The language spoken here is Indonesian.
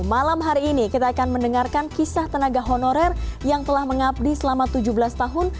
malam hari ini kita akan mendengarkan kisah tenaga honorer yang telah mengabdi selama tujuh belas tahun